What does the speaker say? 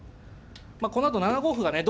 このあと７五歩がね